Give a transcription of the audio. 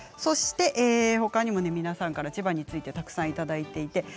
ほかにも千葉についてたくさんいただいています。